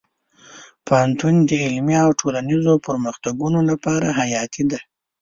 پوهنتون د علمي او ټولنیزو پرمختګونو لپاره حیاتي دی.